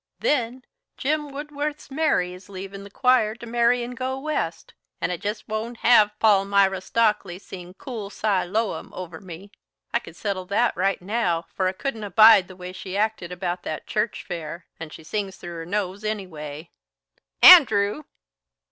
Then, Jim Woodworth's Mary is leavin' the choir to marry and go west, and I jest won't have Palmyra Stockly sing 'Cool Siloam' over me. I can settle that right now, for I couldn't abide the way she acted about that church fair and she sings through her nose anyway. An ndrew!"